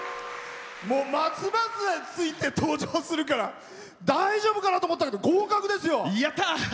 松葉づえついて登場するから大丈夫かなと思ったけど合格ですよ！